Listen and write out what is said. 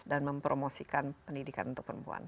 dan mempromosikan pendidikan untuk perempuan